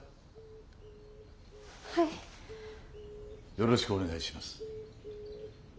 よろしくお願いします。